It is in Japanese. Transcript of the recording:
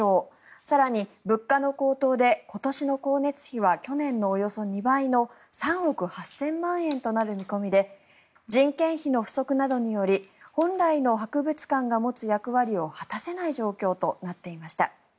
更に、物価の高騰で今年の光熱費は去年のおよそ２倍の３億８０００万円となる見込みで人件費の不足などにより本来の博物館が持つ役割を果たせない状況となっていました。